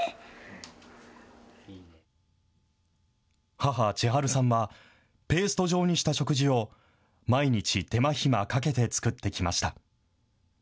母、千春さんはペースト状にした食事を、毎日手間暇かけて作ってきました。